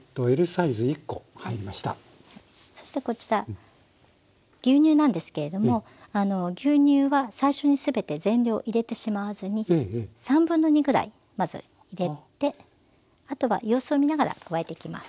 そしてこちら牛乳なんですけれども牛乳は最初に全て全量入れてしまわずに2/3ぐらいまず入れてあとは様子を見ながら加えていきます。